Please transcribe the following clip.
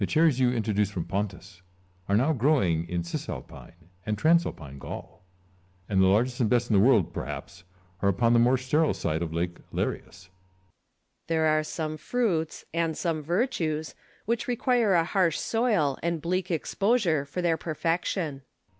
The cherries you introduced from Pontus are now growing in Cisalpine and Transalpine Gaul ; and the largest and best in the world, perhaps, are upon the more sterile side of Lake Larius. Lucullus. There are some fruits, and some virtues, which require a harsh soil and bleak exposure for their perfection.